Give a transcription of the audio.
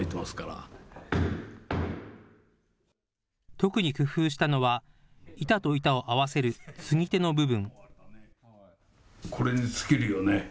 特に工夫したのは板と板を合わせる継ぎ手の部分。